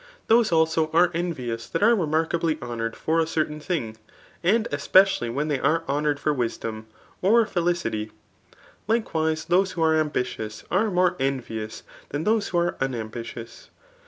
Those also are envious that are remarkably honoured for a certain thing, and especially when they are honoured for wisdom, or felicity. Likewise, those who are ambitious, are more envious than those who are unambitious.